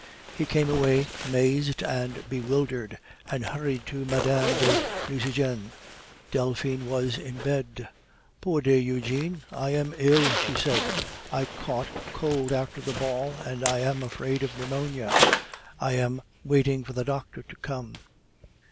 He came away mazed and bewildered, and hurried to Mme. de Nucingen. Delphine was in bed. "Poor dear Eugene, I am ill," she said. "I caught cold after the ball, and I am afraid of pneumonia. I am waiting for the doctor to come."